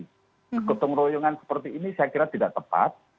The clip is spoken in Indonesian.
kegotong royongan seperti ini saya kira tidak tepat